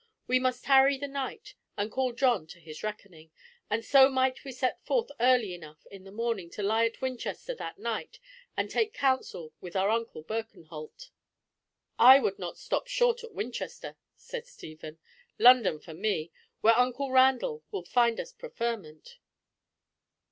We must tarry the night, and call John to his reckoning, and so might we set forth early enough in the morning to lie at Winchester that night and take counsel with our uncle Birkenholt." "I would not stop short at Winchester," said Stephen. "London for me, where uncle Randall will find us preferment!"